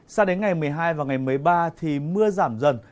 sao đến ngày một mươi hai và ngày một mươi ba thì mưa giảm dần